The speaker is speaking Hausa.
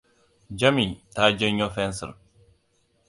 Jami ta janyo fensir.